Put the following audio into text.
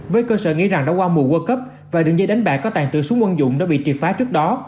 với cơ sở nghĩ rằng đã qua mùa world cấp và đường dây đánh bạc có tàn trữ súng quân dụng đã bị triệt phá trước đó